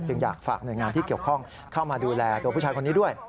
อยากฝากหน่วยงานที่เกี่ยวข้องเข้ามาดูแลตัวผู้ชายคนนี้ด้วย